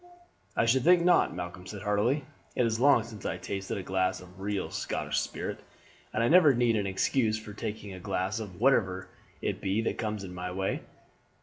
"I should think not," Malcolm said heartily; "it is long since I tasted a glass of real Scotch spirit, and I never need an excuse for taking a glass of whatever it be that comes in my way.